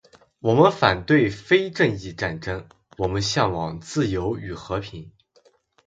我们反对非正义战争，我们向往自由与和平